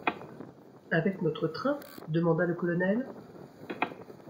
Avec notre train ? demanda le colonel.